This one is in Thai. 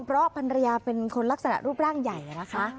เพราะภรรยาเป็นคนลักษณะรูปร่างใหญ่นะคะ